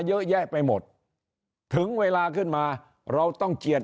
เยอะแยะไปหมดถึงเวลาขึ้นมาเราต้องเจียด